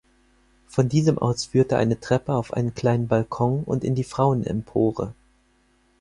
Von diesem aus führte eine Treppe auf einen kleinen Balkon und in die Frauenempore.